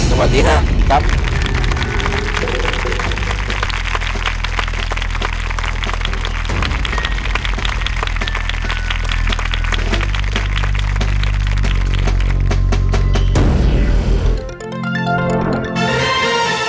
สวัสดีครับ